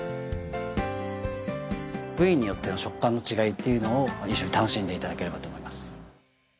部位によっての食感の違いっていうのを一緒に楽しんで頂ければと思います。